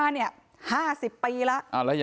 นี้๓๐ปีละ